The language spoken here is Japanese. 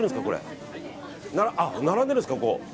並んでるんですか、ここ。